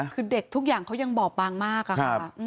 คือเด็กทุกอย่างเขายังบอบบางมากอะค่ะ